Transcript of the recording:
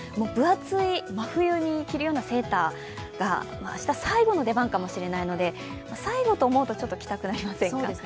分厚い真冬に着るようなセーターが明日最後の出番かもしれないので最後と思うとちょっと着たくありませんか？